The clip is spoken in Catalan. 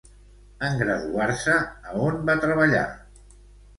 En graduar-se, a on va treballar?